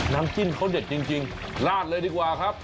น้ำจิ้มเขาเด็ดจริงลาดเลยดีกว่าครับ